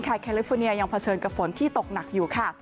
แคลิฟูเนียยังเผชิญกับฝนที่ตกหนักอยู่ค่ะ